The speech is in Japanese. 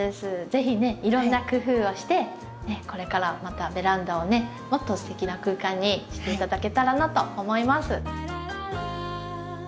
是非ねいろんな工夫をしてこれからまたベランダをねもっとすてきな空間にして頂けたらなと思います。